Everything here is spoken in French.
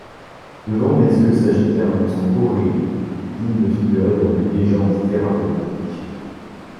Devant mes yeux s'agitait un monstre horrible, digne de figurer dans les légendes tératologiques.